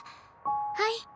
はい。